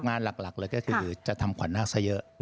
งานหลักเลยก็คือจะทำขวัญนาคซะเยอะ